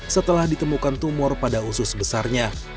setelah ditemukan tumor pada usus besarnya